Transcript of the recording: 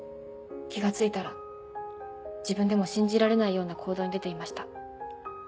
気がついたら自分でも信じられないような行動に出ていました。